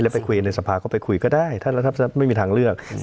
ไปคุยในสภาก็ไปคุยก็ได้ถ้าไม่มีทางเลือก